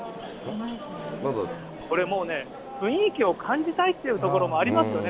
これもうね、雰囲気を感じたいというところもありますよね。